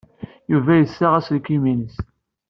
Yuba yessaɣ aselkim-nnes.